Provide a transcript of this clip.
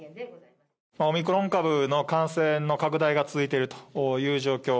オミクロン株の感染の拡大が続いているという状況。